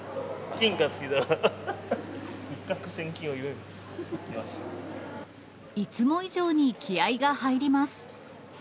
金が好きだから、いつも以上に気合いが入ります。